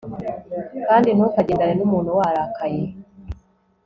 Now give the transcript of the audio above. kandi ntukagendane n'umuntu warakaye